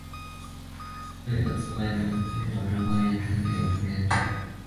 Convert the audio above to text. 这种在可见光或红外线波长上有着一致光源的地球影像是有用的卫星特征。